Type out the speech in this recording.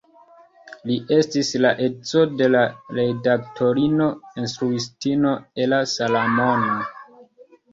Li estis la edzo de redaktorino, instruistino Ella Salamon.